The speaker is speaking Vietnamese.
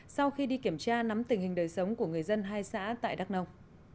sau khi đi kiểm tra nắm tình hình đời sống của người dân hai xã tại đắk nông